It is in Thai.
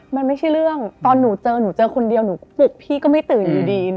มันไม่ใช่เรื่องตอนหนูเจอหนูเจอคนเดียวหนูปลุกพี่ก็ไม่ตื่นอยู่ดี